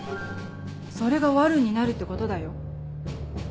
それが悪女になるってことだよ。